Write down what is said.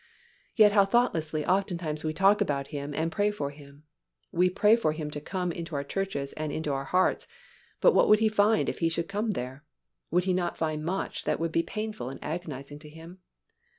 Yet how thoughtlessly oftentimes we talk about Him and pray for Him. We pray for Him to come into our churches and into our hearts but what would He find if He should come there? Would He not find much that would be painful and agonizing to Him?